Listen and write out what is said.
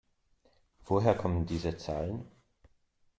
Woher kommen diese Zahlen?